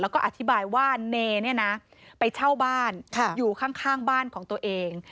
แล้วก็อธิบายว่าเนไปเช่าบ้านอยู่ข้างบ้านของตัวเอง